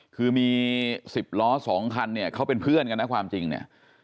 คือมี๑๐ล้อ๒คันเนี่ยเขาเป็นเพื่อนกันนะความจริงเนี่ย